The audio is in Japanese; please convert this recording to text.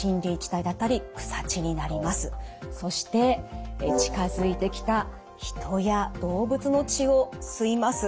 そして近づいてきた人や動物の血を吸います。